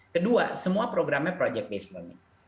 kedua semua programnya project based learning